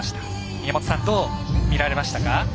宮本さん、どう見られましたか？